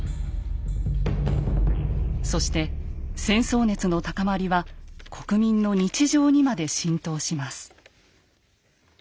そして戦争熱の高まりは国民の日常にまで浸透します。